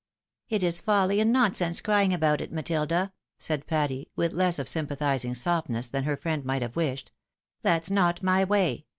" It is folly and nonsense crying about it, Matilda," said Patty, with less of sympathising softness than her friend might have wished. " That's not my way.